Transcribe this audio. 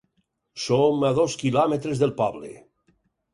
Som a dos quilòmetres del poble.